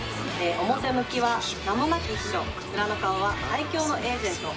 表向きは名もなき秘書裏の顔は最強のエージェント。